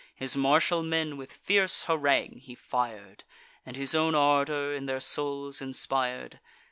His martial men with fierce harangue he fir'd, And his own ardour in their souls inspir'd.